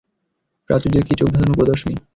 প্রাচুর্যের কী চোখধাঁধানো প্রদর্শনী!